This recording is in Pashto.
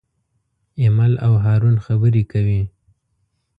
ایمل او هارون خبرې کوي.